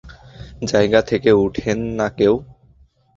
জায়গা থেকে উঠেন না কেউ।